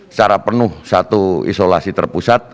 secara penuh satu isolasi terpusat